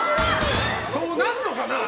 そうなるのかな？